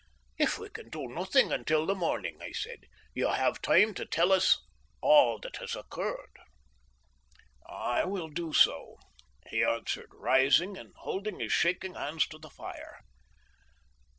"If we can do nothing until the morning," I said, "you have time to tell us all that has occurred." "I will do so," he answered, rising and holding his shaking hands to the fire.